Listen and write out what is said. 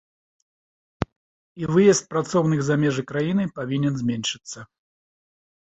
І выезд працоўных за межы краіны павінен зменшыцца.